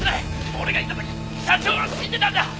俺が行った時社長は死んでたんだ！